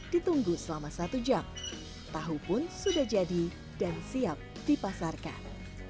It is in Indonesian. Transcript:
ditunggu selama satu jam tahu pun sudah jadi dan siap dipasarkan